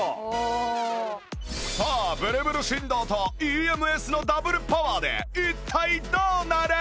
さあブルブル振動と ＥＭＳ のダブルパワーで一体どうなる？